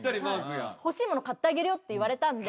「欲しいもの買ってあげるよ」って言われたんで。